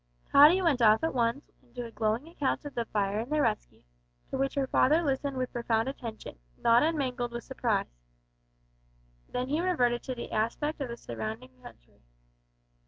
Tottie went off at once into a glowing account of the fire and the rescue, to which her father listened with profound attention, not unmingled with surprise. Then he reverted to the aspect of the surrounding country.